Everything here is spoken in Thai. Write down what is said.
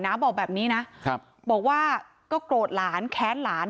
น้าบอกแบบนี้นะบอกว่าก็โกรธหลานแค้นหลาน